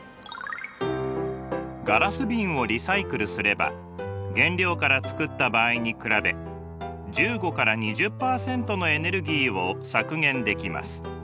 ガラス瓶をリサイクルすれば原料から作った場合に比べ１５から２０％のエネルギーを削減できます。